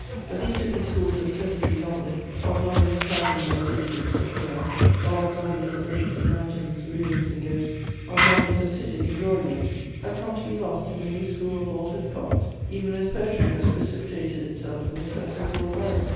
] But these different schools of sedentary novelists, of novelists travelling by diligence or calash, of novelists of lakes and mountains, ruins and ghosts, of novelists of cities and drawing rooms, have come to be lost in the new school of Walter Scott, even as poetry has precipitated itself in the steps of Lord Byron.